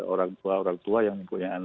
orang tua orang tua yang punya